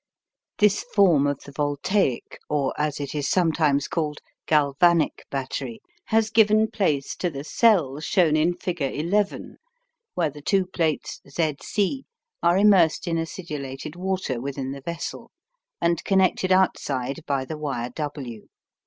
This form of the voltaic, or, as it is sometimes called, galvanic battery, has given place to the "cell" shown in figure II, where the two plates Z C are immersed in acidulated water within the vessel, and connected outside by the wire W.